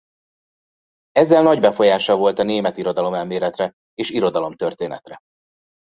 Ezzel nagy befolyása volt a német irodalomelméletre és irodalomtörténetre.